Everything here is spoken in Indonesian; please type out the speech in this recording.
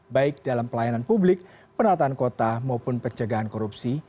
baik dalam pelayanan publik penataan kota maupun pencegahan korupsi